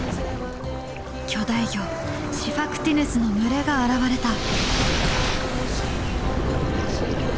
巨大魚シファクティヌスの群れが現れた。